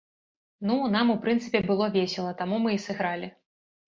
Ну, нам, у прынцыпе, было весела, таму мы і сыгралі!